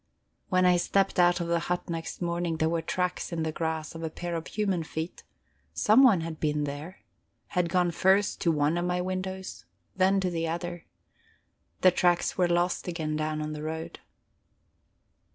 When I stepped out of the hut next morning there were tracks in the grass of a pair of human feet; someone had been there had gone first to one of my windows, then to the other. The tracks were lost again down on the road.